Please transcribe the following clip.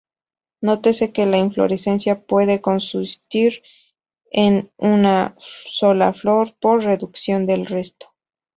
Nótese que la inflorescencia puede consistir en una sola flor por reducción del resto.